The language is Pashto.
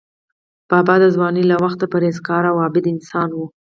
بابا د ځوانۍ له وخته پرهیزګار او عابد انسان و.